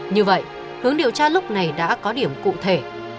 như vậy hướng điều tra lúc này đã có điểm cụ thể